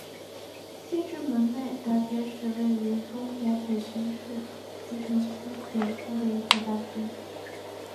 西直门内大街是位于中国北京市西城区北部的一条大街。